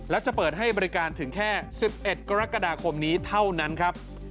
และจะเปิดให้บริการถึงแค่๑๑กรกฎาคมนี้เท่านั้นครับ